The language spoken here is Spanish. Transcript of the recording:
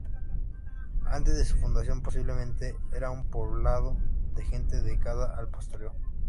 Antes de su fundación posiblemente era un poblado de gente dedicada al pastoreo.